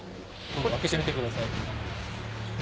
開けてみてください。